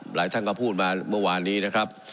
หลายท่านก็พูดมาเมื่อวานนี้นะครับ